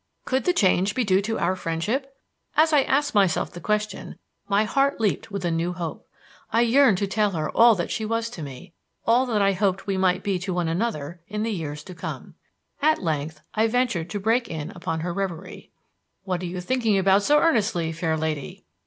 Could the change be due to our friendship? As I asked myself the question, my heart leaped with a new hope. I yearned to tell her all that she was to me all that I hoped we might be to one another in the years to come. At length I ventured to break in upon her reverie. "What are you thinking about so earnestly, fair lady?"